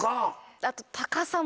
あと。